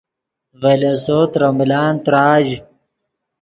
ڤے لیسو ترے ملان تراژ